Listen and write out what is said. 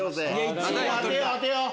当てようぜ。